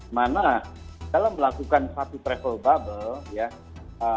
mana dalam melakukan satu travel bubble ya